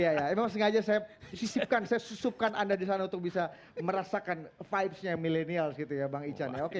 iya ya emang sengaja saya sisipkan saya susupkan anda di sana untuk bisa merasakan vibesnya milenial gitu ya bang ican ya oke